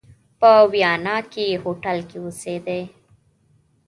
په ویانا کې هوټل کې اوسېدی.